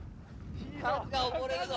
カズが溺れるぞ。